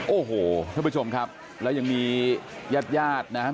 โอ้โหท่านผู้ชมครับแล้วยังมีญาติญาตินะครับ